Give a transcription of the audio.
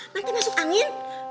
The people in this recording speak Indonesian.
nanti masuk angin